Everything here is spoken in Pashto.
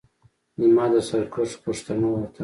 زما د سرکښو پښتنو وطنه